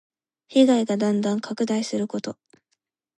被害がだんだん拡大すること。